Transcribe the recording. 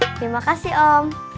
terima kasih om